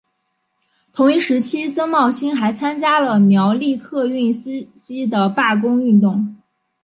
同一时期曾茂兴还参加了苗栗客运司机的罢工运动。